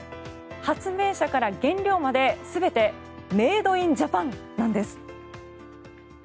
発明者から原料まで全てメイド・イン・ジャパンなんです。